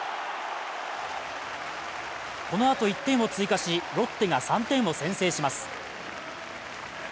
この後１点を追加しロッテが３点を先制します。